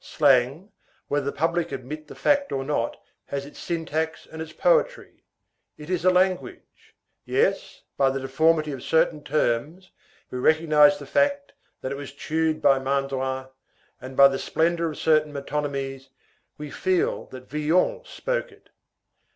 Slang, whether the public admit the fact or not has its syntax and its poetry. It is a language. Yes, by the deformity of certain terms, we recognize the fact that it was chewed by Mandrin, and by the splendor of certain metonymies, we feel that Villon spoke it.